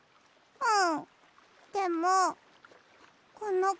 うん。